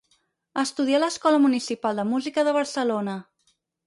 Estudià a l'Escola Municipal de Música de Barcelona.